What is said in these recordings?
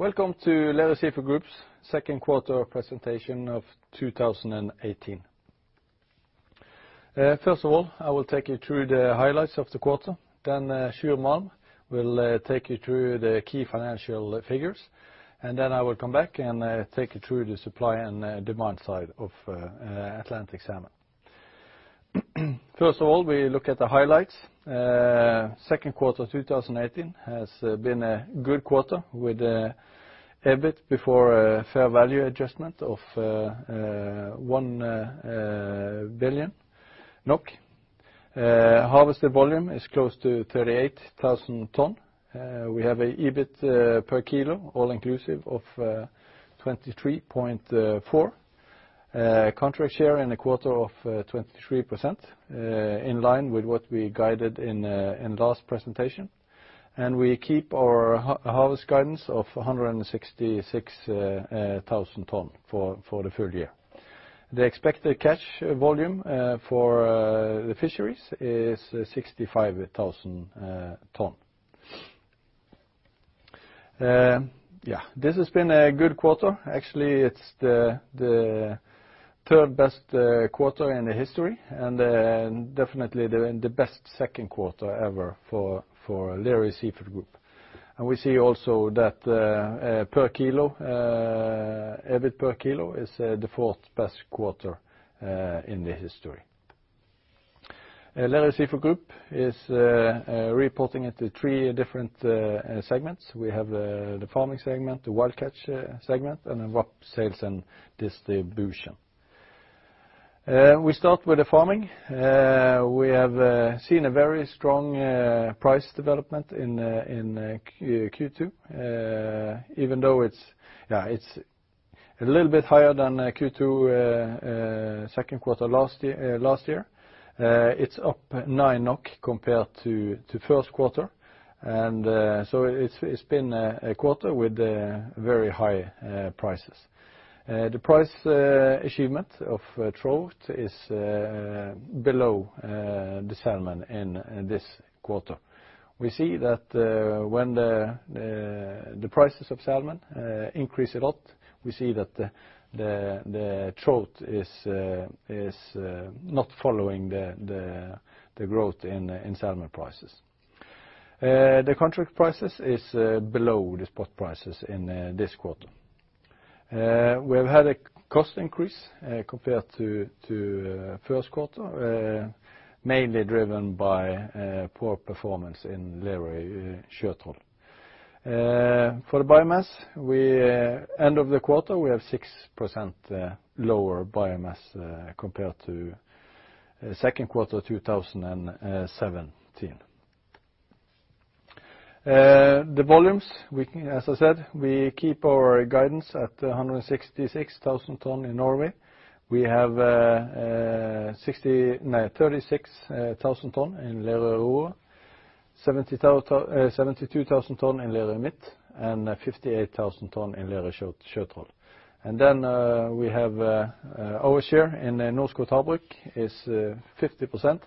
Welcome to Lerøy Seafood Group's second quarter presentation of 2018. First of all, I will take you through the highlights of the quarter, then Sjur Malm will take you through the key financial figures, and then I will come back and take you through the supply and demand side of Atlantic Salmon. First of all, we look at the highlights. Second quarter 2018 has been a good quarter with EBIT before fair value adjustment of 1 billion. Harvest volume is close to 38,000 tons. We have an EBIT per kilo, all inclusive of 23.4. Contract share in the quarter of 23%, in line with what we guided in last presentation. We keep our harvest guidance of 166,000 tons for the full year. The expected catch volume for the fisheries is 65,000 tons. Yeah, this has been a good quarter. Actually, it's the third best quarter in the history and definitely the best second quarter ever for Lerøy Seafood Group. We see also that EBIT per kilo is the fourth best quarter in the history. Lerøy Seafood Group is reporting into three different segments. We have the farming segment, the wild catch segment, and then sales and distribution. We start with the farming. We have seen a very strong price development in Q2. Even though it's a little bit higher than Q2, 2nd quarter last year, it's up 9 NOK compared to the 1st quarter. It's been a quarter with very high prices. The price achievement of trout is below the salmon in this quarter. We see that when the prices of salmon increase a lot, we see that the trout is not following the growth in salmon prices. The contract prices is below the spot prices in this quarter. We have had a cost increase compared to first quarter, mainly driven by poor performance in Lerøy Sjøtroll. For biomass, end of the quarter, we have 6% lower biomass compared to second quarter 2017. The volumes, as I said, we keep our guidance at 166,000 tonnes in Norway. We have 36,000 tonnes in Lerøy Aurora, 72,000 tonnes in Lerøy Midt, and 58,000 tonnes in Lerøy Sjøtroll. Then we have our share in the Norskott Havbruk is 50%.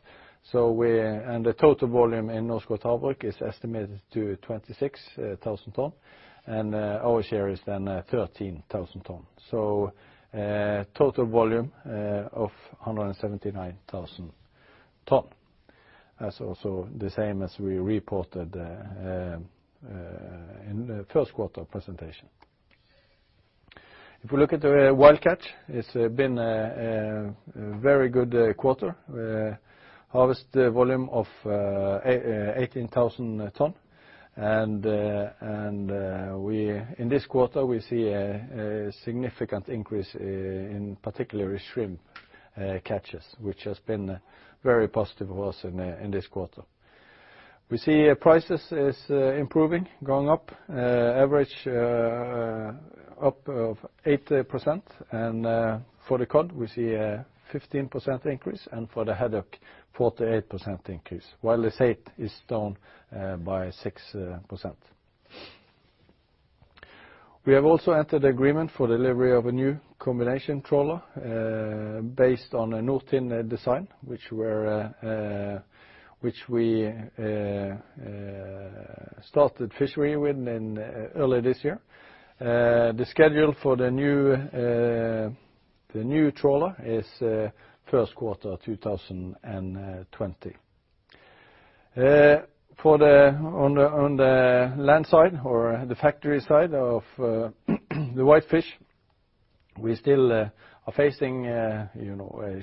The total volume in Norskott Havbruk is estimated to 26,000 tonnes, and our share is then 13,000 tonnes. Total volume of 179,000 tonnes. That's also the same as we reported in the first quarter presentation. If you look at the wild catch, it's been a very good quarter. Harvest volume of 18,000 tons and in this quarter, we see a significant increase in particular with shrimp catches, which has been very positive for us in this quarter. We see prices is improving, going up, average up of 8% and for the cod, we see a 15% increase, and for the haddock, 48% increase, while the saithe is down by 6%. We have also entered agreement for delivery of a new combination trawler based on a Nordtind design, which we started fishery with in early this year. The schedule for the new trawler is first quarter 2020. On the land side or the factory side of the whitefish, we still are facing a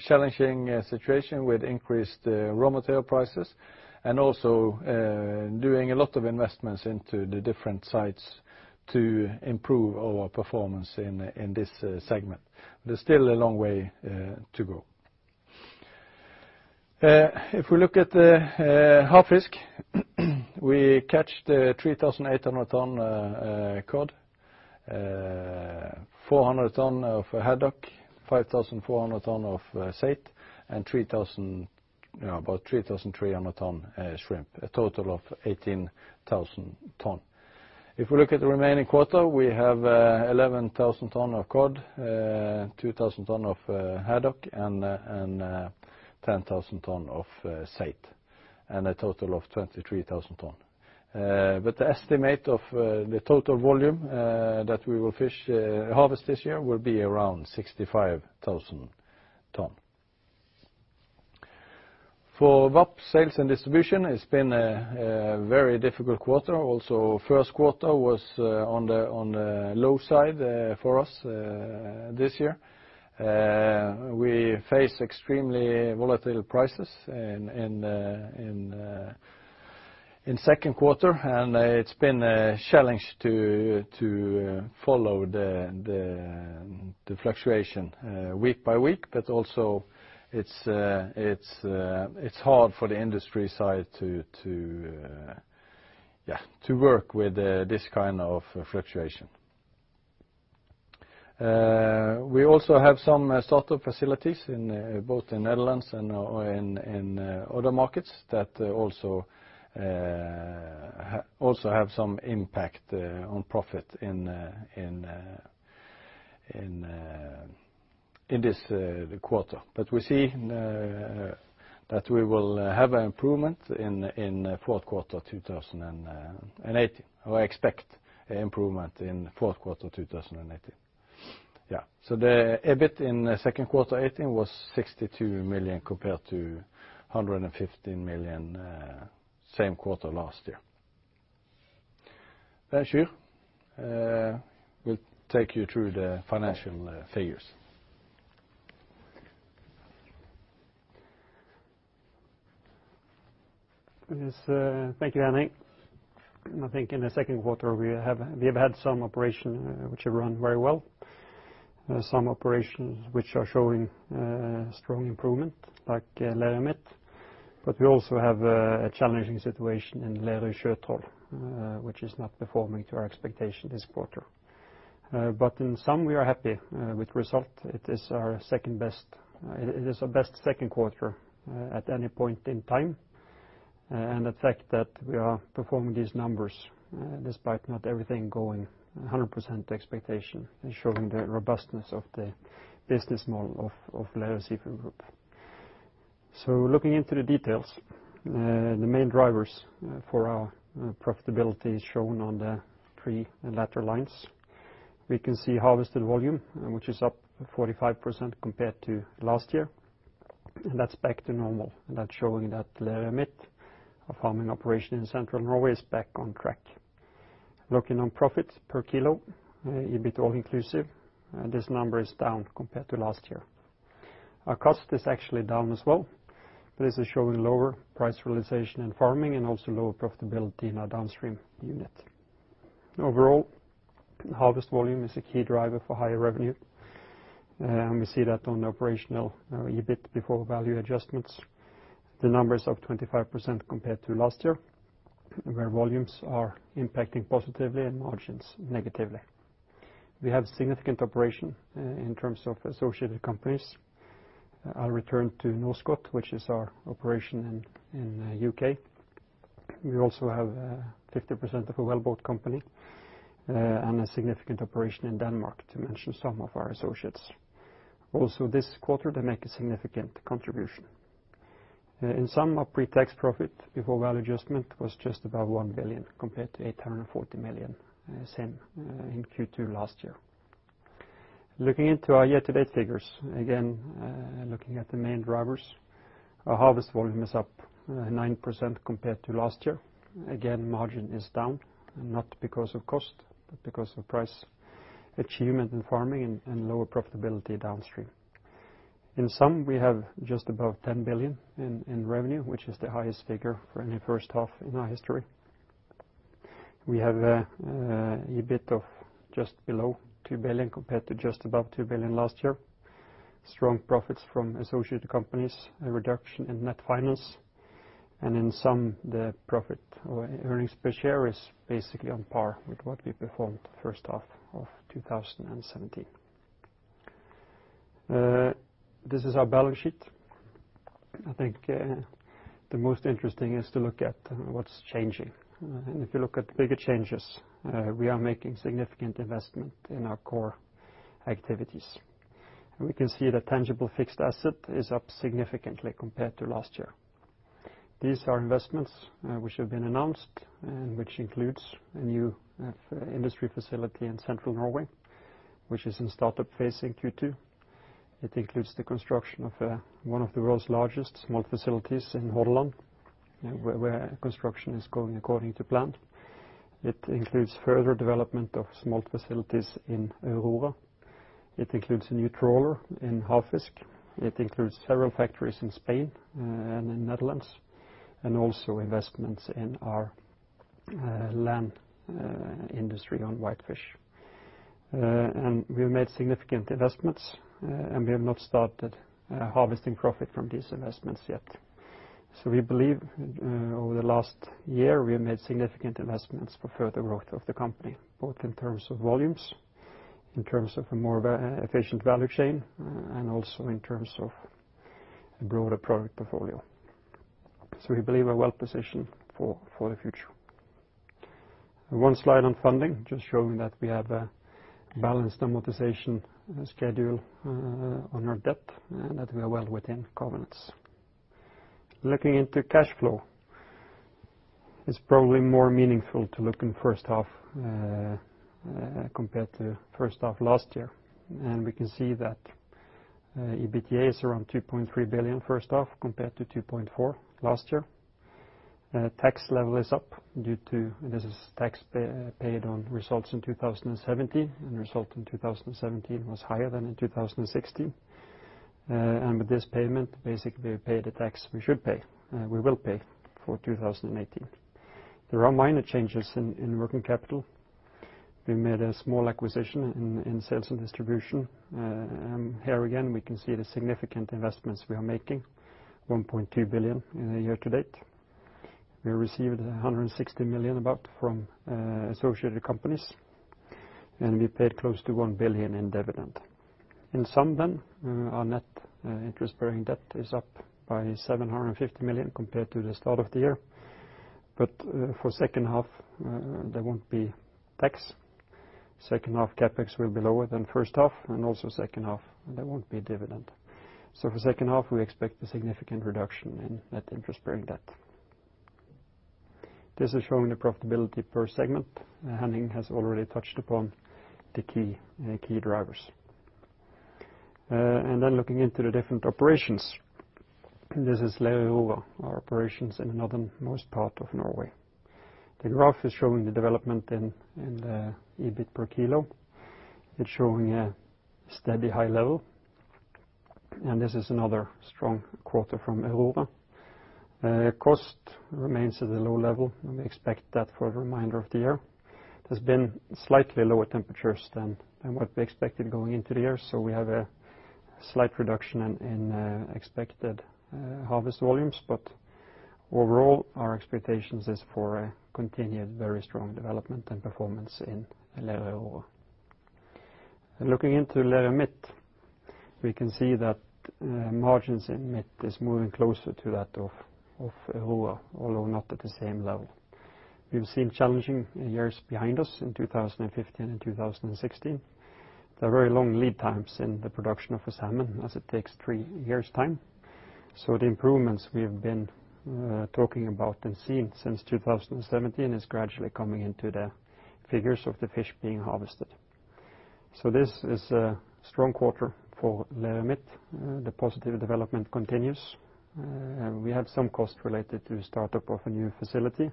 challenging situation with increased raw material prices and also doing a lot of investments into the different sites to improve our performance in this segment. There's still a long way to go. If we look at the Havfisk, we catch the 3,800 tons of cod, 400 tons of haddock, 5,400 tons of saithe, and about 3,300 tons of shrimp, a total of 18,000 tons. If you look at the remaining quarter, we have 11,000 tons of cod, 2,000 tons of haddock, and 10,000 tons of saithe, and a total of 23,000 tons. The estimate of the total volume that we will harvest this year will be around 65,000 tons. For VAP sales and distribution, it's been a very difficult quarter. Also, first quarter was on the low side for us this year. We faced extremely volatile prices in second quarter, and it's been a challenge to follow the fluctuation week by week. Also, it's hard for the industry side to work with this kind of fluctuation. We also have some startup facilities both in Netherlands and other markets that also have some impact on profit in this quarter. We see that we will have an improvement in fourth quarter 2018, or expect improvement in fourth quarter 2018. The EBIT in the second quarter 2018 was 62 million, compared to 115 million same quarter last year. Sjur will take you through the financial figures. Thank you, Henning. I think in the second quarter we have had some operations which have run very well, some operations which are showing strong improvement, like Lerøy Midt. We also have a challenging situation in Lerøy Sjøtroll, which is not performing to our expectation this quarter. In sum we are happy with result. It is our best second quarter at any point in time, and the fact that we are performing these numbers despite not everything going 100% expectation is showing the robustness of the business model of Lerøy Seafood Group. Looking into the details, the main drivers for our profitability is shown on the three latter lines. We can see harvested volume, which is up 45% compared to last year. That's back to normal. That's showing that Lerøy Midt, our farming operation in central Norway, is back on track. Looking on profit per kilo, EBIT all inclusive, this number is down compared to last year. Our cost is actually down as well, but this is showing lower price realization in farming and also lower profitability in our downstream unit. Overall, harvest volume is a key driver for higher revenue. We see that on the operational EBIT before value adjustments. The number is up 25% compared to last year, where volumes are impacting positively and margins negatively. We have significant operation in terms of associated companies. I'll return to Norskott, which is our operation in U.K. We also have 50% of Seistar company and a significant operation in Denmark, to mention some of our associates. Also, this quarter they make a significant contribution. In sum, our pre-tax profit before value adjustment was just above 1 billion, compared to 840 million, same in Q2 last year. Looking into our year-to-date figures, again, looking at the main drivers, our harvest volume is up 9% compared to last year. Margin is down, not because of cost, but because of price achievement in farming and lower profitability downstream. In sum, we have just above 10 billion in revenue, which is the highest figure for any first half in our history. We have EBIT of just below 2 billion, compared to just above 2 billion last year. Strong profits from associated companies, a reduction in net finance, in some, the profit or earnings per share is basically on par with what we performed first half of 2017. This is our balance sheet. I think the most interesting is to look at what's changing. If you look at bigger changes, we are making significant investment in our core activities. We can see the tangible fixed asset is up significantly compared to last year. These are investments which have been announced and which includes a new industry facility in Central Norway, which is in startup phase in Q2. It includes the construction of one of the world's largest smolt facilities in Hordaland, where construction is going according to plan. It includes further development of smolt facilities in Lerøy Aurora. It includes a new trawler in Havfisk. It includes several factories in Spain and in Netherlands, and also investments in our land industry on whitefish. We have made significant investments, and we have not started harvesting profit from these investments yet. We believe over the last year, we have made significant investments for further growth of the company, both in terms of volumes, in terms of a more efficient value chain, and also in terms of a broader product portfolio. We believe we're well-positioned for the future. One slide on funding, just showing that we have a balanced amortization schedule on our debt that we are well within covenants. Looking into cash flow. It's probably more meaningful to look in first half compared to first half last year. We can see that EBITDA is around 2.3 billion first half compared to 2.4 billion last year. Tax level is up due to this is tax paid on results in 2017, and result in 2017 was higher than in 2016. With this payment, basically we pay the tax we should pay, and we will pay for 2018. There are minor changes in working capital. We made a small acquisition in sales and distribution. Here again, we can see the significant investments we are making, 1.2 billion in year to date. We received 160 million about from associated companies, and we paid close to 1 billion in dividend. In sum, our net interest bearing debt is up by 750 million compared to the start of the year. For second half, there won't be tax. Second half CapEx will be lower than first half, and also second half there won't be dividend. For second half, we expect a significant reduction in net interest bearing debt. This is showing the profitability per segment. Henning has already touched upon the key drivers. Looking into the different operations. This is Lerøy Aurora, our operations in northernmost part of Norway. The graph is showing the development in the EBIT per kilo. It's showing a steady high level, and this is another strong quarter from Lerøy Aurora. Cost remains at a low level, and we expect that for the remainder of the year. There's been slightly lower temperatures than what we expected going into the year, so we have a slight reduction in expected harvest volumes, but overall, our expectations is for a continued very strong development and performance in Lerøy Aurora. Looking into Lerøy Midt, we can see that margins in Midt is moving closer to that of Aurora, although not at the same level. We've seen challenging years behind us in 2015 and 2016. There are very long lead times in the production of a salmon as it takes three years' time. The improvements we have been talking about and seeing since 2017 is gradually coming into the figures of the fish being harvested. This is a strong quarter for Lerøy Midt. The positive development continues. We have some costs related to the start-up of a new facility.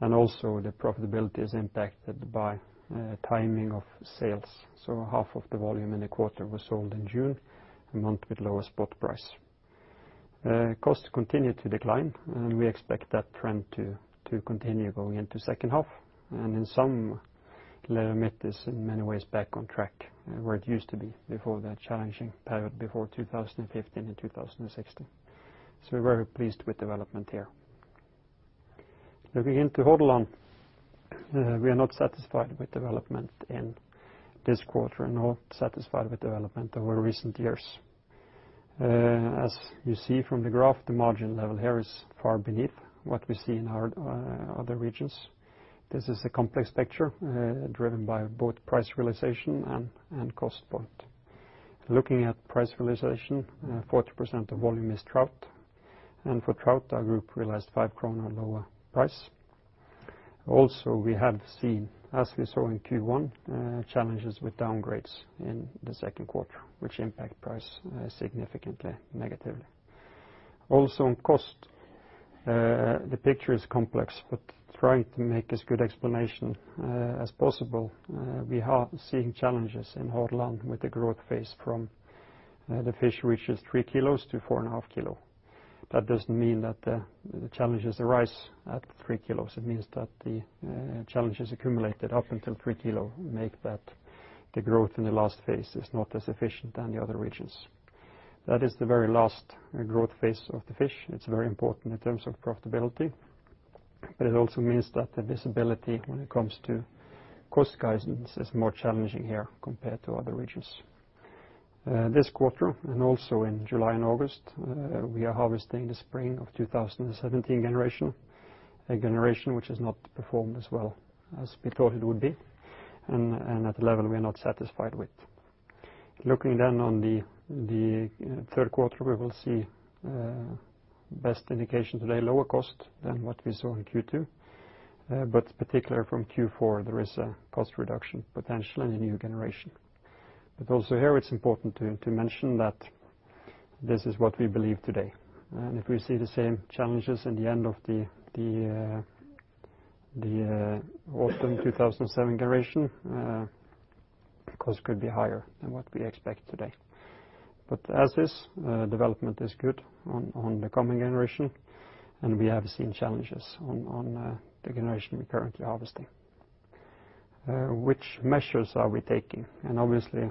Also, the profitability is impacted by timing of sales. Half of the volume in the quarter was sold in June, a month with lower spot price. Cost continued to decline. We expect that trend to continue going into second half. In some, Lerøy Midt is in many ways back on track where it used to be before the challenging period, before 2015 and 2016. We're very pleased with the development here. Looking into Hordaland, we are not satisfied with the development in this quarter, nor satisfied with the development over recent years. As you see from the graph, the margin level here is far beneath what we see in our other regions. This is a complex picture, driven by both price realization and cost point. Looking at price realization, 40% of volume is trout, and for trout our group realized 5 kroner lower price. Also, we have seen, as we saw in Q1, challenges with downgrades in the second quarter, which impact price significantly negatively. Also on cost, the picture is complex, but trying to make as good explanation as possible, we are seeing challenges in Hordaland with the growth phase from the fish reaches 3 kg-4.5 kg. That doesn't mean that the challenges arise at 3 kg. It means that the challenges accumulated up until 3 kg make the growth in the last phase is not as efficient than the other regions. That is the very last growth phase of the fish. It's very important in terms of profitability. It also means that the visibility when it comes to cost guidance is more challenging here compared to other regions. This quarter and also in July and August, we are harvesting the spring of 2017 generation, a generation which has not performed as well as we thought it would be and at a level we are not satisfied with. Looking on the third quarter, we will see best indication today, lower cost than what we saw in Q2. Particular from Q4, there is a cost reduction potential in the new generation. Also here it's important to mention that this is what we believe today. If we see the same challenges at the end of the autumn 2017 generation, the cost could be higher than what we expect today. As is, development is good on the coming generation, and we have seen challenges on the generation we're currently harvesting. Which measures are we taking? Obviously,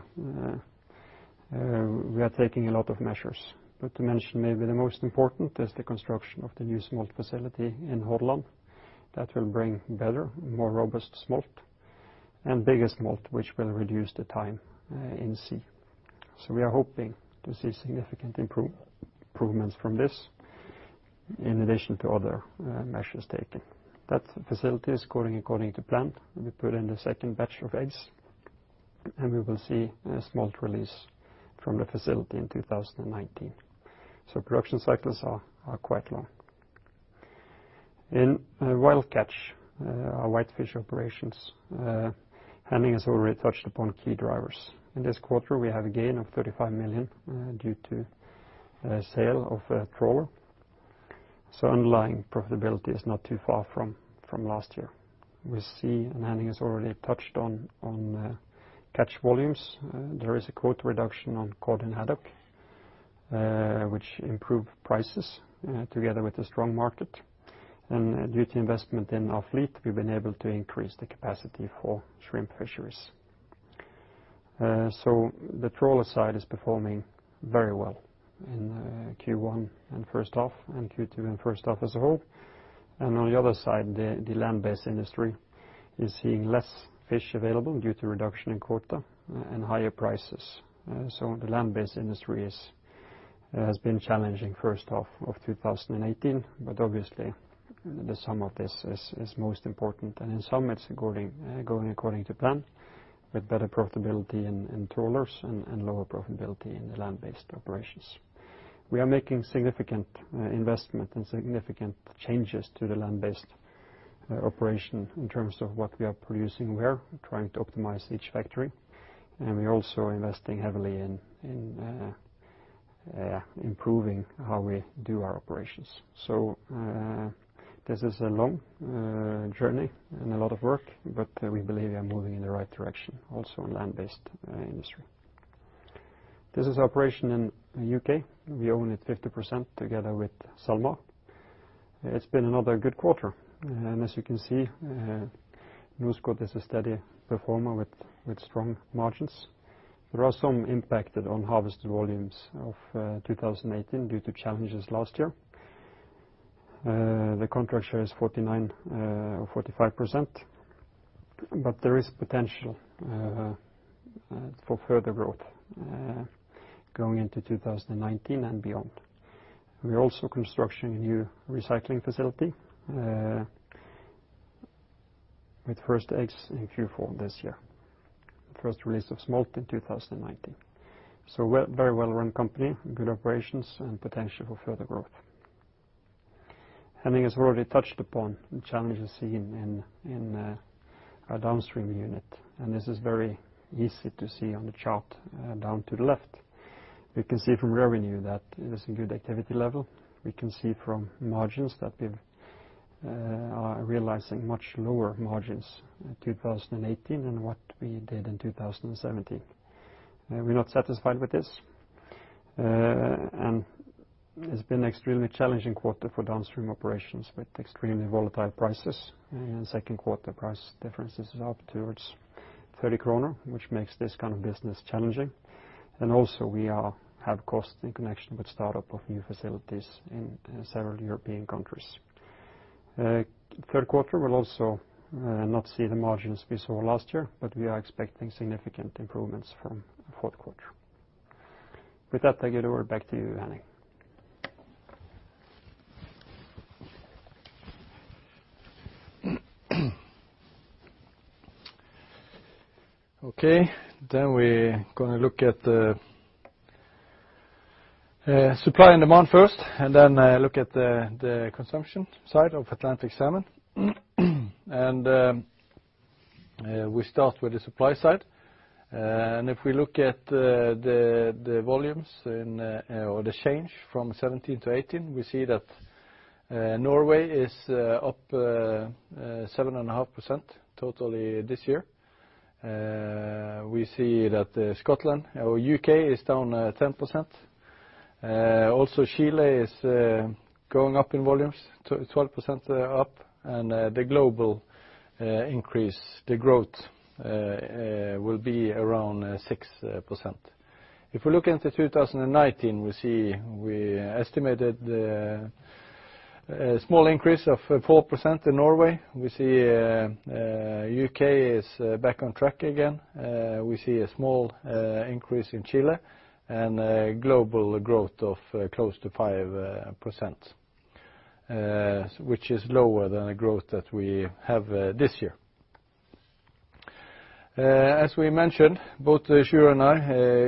we are taking a lot of measures. To mention maybe the most important is the construction of the new smolt facility in Hordaland that will bring better, more robust smolt and biggest smolt which will reduce the time in sea. We are hoping to see significant improvements from this in addition to other measures taken. That facility is going according to plan. We put in the second batch of eggs, and we will see a smolt release from the facility in 2019. Production cycles are quite long. In wild catch, our white fish operations, Henning has already touched upon key drivers. In this quarter, we have a gain of 35 million due to sale of a trawler. Underlying profitability is not too far from last year. We see, and Henning has already touched on catch volumes. There is a quota reduction on cod and haddock, which improve prices together with the strong market. Due to investment in our fleet, we've been able to increase the capacity for shrimp fisheries. The trawler side is performing very well in Q1 and first half, and Q2 and first half as a whole. On the other side, the land-based industry is seeing less fish available due to reduction in quota and higher prices. The land-based industry has been challenging first half of 2018, but obviously the sum of this is most important. In sum, it's going according to plan with better profitability in trawlers and lower profitability in the land-based operations. We are making significant investment and significant changes to the land-based operation in terms of what we are producing where, trying to optimize each factory. We are also investing heavily in improving how we do our operations. This is a long journey and a lot of work, but we believe we are moving in the right direction also on land-based industry. This is operation in U.K. We own it 50% together with SalMar. It's been another good quarter. As you can see, Norskott is a steady performer with strong margins. There are some impact on harvested volumes of 2018 due to challenges last year. The contract share is 49%, or 45%, but there is potential for further growth going into 2019 and beyond. We're also constructing a new recirculating facility with first eggs in Q4 this year. First release of smolt in 2019. Very well-run company, good operations, and potential for further growth. Henning has already touched upon the challenges seen in our downstream unit, and this is very easy to see on the chart down to the left. We can see from revenue that there's a good activity level. We can see from margins that we are realizing much lower margins in 2018 than what we did in 2017. We're not satisfied with this. It's been extremely challenging quarter for downstream operations with extremely volatile prices and second quarter price differences up towards 30 kroner, which makes this kind of business challenging. Also we have cost in connection with startup of new facilities in several European countries. Third quarter will also not see the margins we saw last year, we are expecting significant improvements from fourth quarter. With that, I give it over back to you, Henning. Okay, we going to look at the supply and demand first, then look at the consumption side of Atlantic Salmon. We start with the supply side. If we look at the volumes or the change from 2017 to 2018, we see that Norway is up 7.5% totally this year. We see that Scotland or U.K. is down 10%. Also Chile is going up in volumes, 12% up, and the global increase, the growth, will be around 6%. If we look into 2019, we estimated a small increase of 4% in Norway. We see U.K. is back on track again. We see a small increase in Chile and a global growth of close to 5%, which is lower than the growth that we have this year. As we mentioned, both Sjur and I,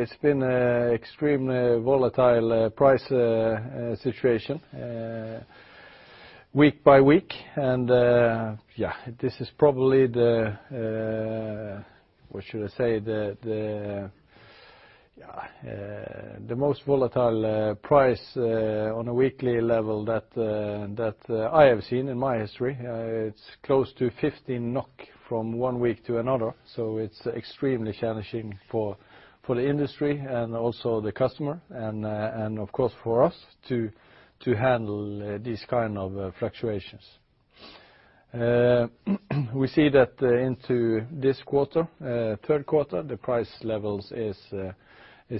it's been extremely volatile price situation week by week and this is probably the, what should I say, the most volatile price on a weekly level that I have seen in my history. It's close to 15 NOK from one week to another, so it's extremely challenging for the industry and also the customer and of course for us to handle these kind of fluctuations. We see that into this quarter, third quarter, the price levels is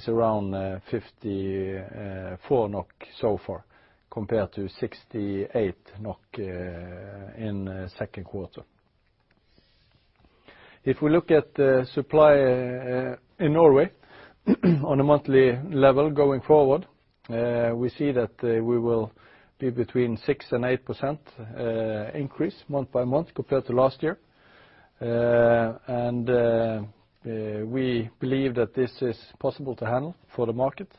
around 54 NOK so far compared to 68 NOK in second quarter. If we look at supply in Norway on a monthly level going forward, we see that we will be between 6% and 8% increase month by month compared to last year. We believe that this is possible to handle for the market.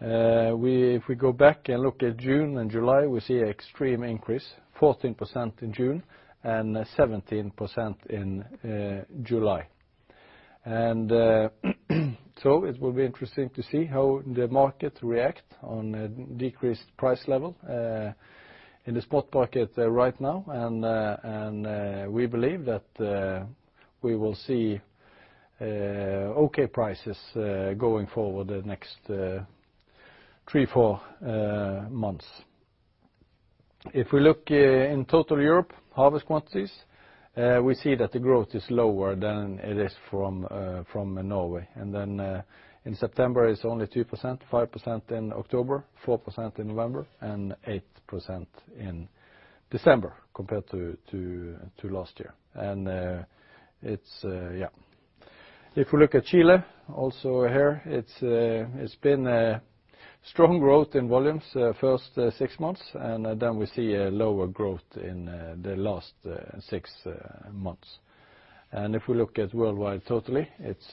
If we go back and look at June and July, we see extreme increase, 14% in June and 17% in July. It will be interesting to see how the markets react on a decreased price level in the spot market right now. We believe that we will see okay prices going forward the next three, four months. If we look in total Europe harvest quantities, we see that the growth is lower than it is from Norway. In September, it's only 2%, 5% in October, 4% in November, and 8% in December compared to last year. If we look at Chile, also here, it's been a strong growth in volumes first six months, and then we see a lower growth in the last six months. If we look at worldwide totally, it's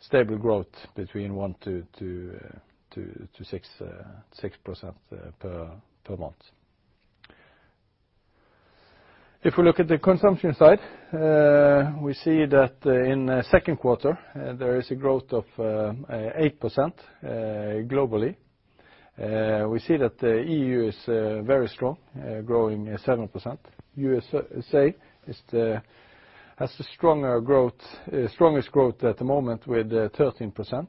stable growth between 1%-6% per month. If we look at the consumption side, we see that in the second quarter, there is a growth of 8% globally. We see that EU is very strong, growing at 7%. USA has the strongest growth at the moment with 13%.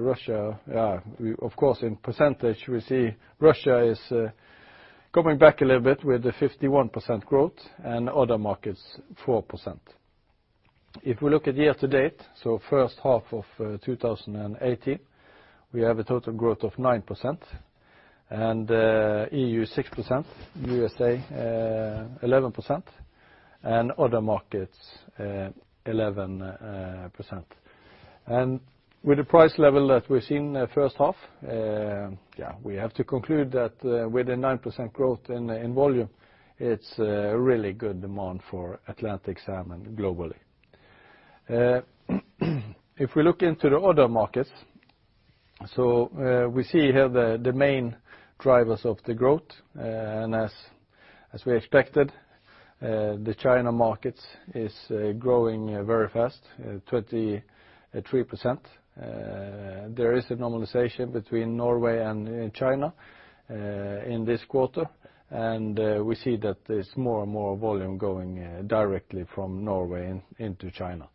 Russia, of course, in percentage, we see Russia is coming back a little bit with the 51% growth and other markets 4%. If we look at year to date, so first half of 2018, we have a total growth of 9%, and EU 6%, USA 11%, and other markets 11%. With the price level that we're seeing the first half, we have to conclude that with a 9% growth in volume, it's a really good demand for Atlantic Salmon globally. If we look into the other markets, so we see here the main drivers of the growth. As we expected, the China markets is growing very fast, 23%. There is a normalization between Norway and China in this quarter, and we see that there's more and more volume going directly from Norway into China.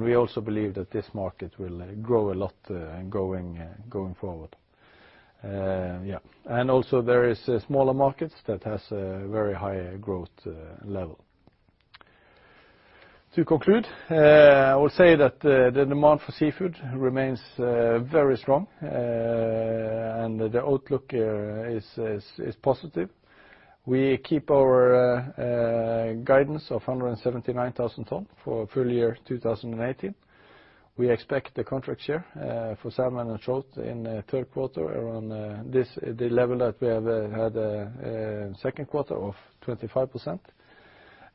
We also believe that this market will grow a lot going forward. Also there is smaller markets that has a very high growth level. To conclude, I will say that the demand for seafood remains very strong, and the outlook is positive. We keep our guidance of 179,000 tons for full year 2018. We expect the contract share for salmon and trout in third quarter around the level that we have had second quarter of 25%.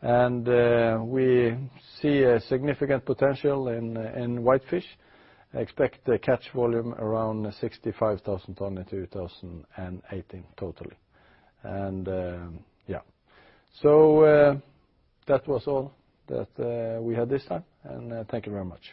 We see a significant potential in whitefish, expect a catch volume around 65,000 tons in 2018 totally. That was all that we had this time, and thank you very much.